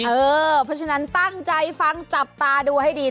เพราะฉะนั้นตั้งใจฟังจับตาดูให้ดี